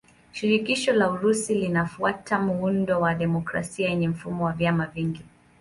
Shirikisho la Urusi linafuata muundo wa demokrasia yenye mfumo wa vyama vingi.